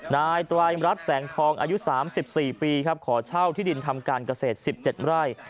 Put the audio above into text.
นายตรายรัฐแสงทองอายุสามสิบสี่ปีครับขอเช่าที่ดินทำการเกษตรสิบเจ็ดไร่